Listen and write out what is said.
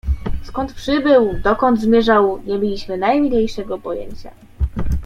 "Skąd przybył, dokąd zmierzał, nie mieliśmy najmniejszego pojęcia."